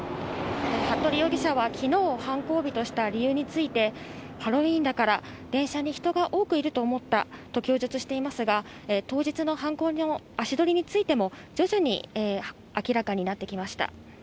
服部容疑者はきのうを犯行日とした理由について、ハロウィーンだから電車に多く人がいると思ったと供述していますが、当日の犯行の足取りについても、徐々に明らかになってきました。